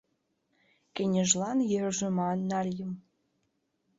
Кеҥежлан йӧржӧ ман нальым;